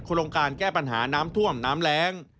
โรงการแก้ปัญหาน้ำท่วมน้ำแรง